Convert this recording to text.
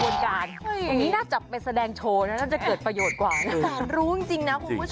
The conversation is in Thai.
ออกไปในบ้านเลยออกไปได้แห้ง